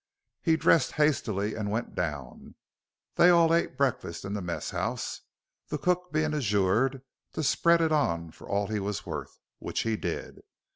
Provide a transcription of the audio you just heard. He dressed hastily and went down. They all ate breakfast in the mess house, the cook being adjured to "spread it on for all he was worth" which he did.